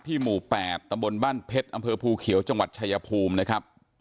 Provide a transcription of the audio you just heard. หมู่๘ตำบลบ้านเพชรอำเภอภูเขียวจังหวัดชายภูมินะครับ